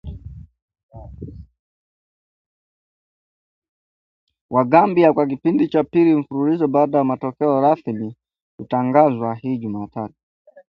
Wa Gambia, kwa kipindi cha pili mfululizo baada ya matokeo rasmi kutangazwa hii Jumatatu